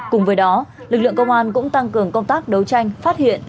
cùng với đó lực lượng công an cũng tăng cường công tác đấu tranh phát hiện